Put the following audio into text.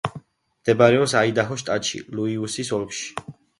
მდებარეობს აიდაჰოს შტატში, ლიუისის ოლქში.